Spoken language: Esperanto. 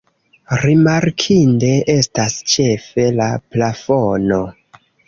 Rimarkinde estas ĉefe la plafono.